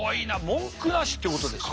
文句なしってことですよ。